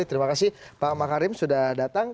terima kasih pak makarim sudah datang